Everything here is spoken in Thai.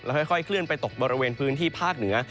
ค่อยเคลื่อนไปตกบริเวณพื้นที่ภาคเหนือ